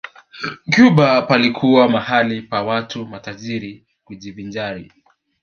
Cuba palikuwa mahala pa watu matajiri kujivinjari